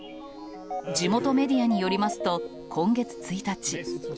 地元メディアによりますと、今月１日。